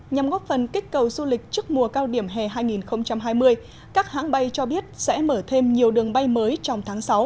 nhằm góp phần kích cầu du lịch trước mùa cao điểm hè hai nghìn hai mươi các hãng bay cho biết sẽ mở thêm nhiều đường bay mới trong tháng sáu